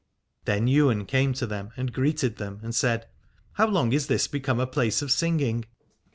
Then Ywain came to them and greeted them, and said : How long is this become a place of singing